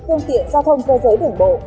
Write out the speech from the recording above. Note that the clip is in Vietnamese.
phương tiện giao thông cơ giới đường bộ